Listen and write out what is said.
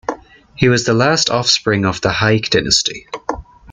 He was the last offspring of the Hayk Dynasty.